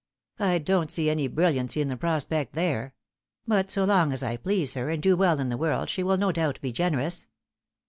I don't see any brilliancy in the prospect there; but so long as I please her and do well in the world she will no doubt be generous."